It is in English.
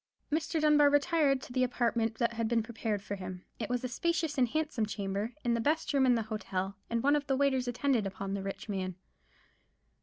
Mr. Dunbar retired to the apartment that had been prepared for him. It was a spacious and handsome chamber, the best room in the hotel; and one of the waiters attended upon the rich man.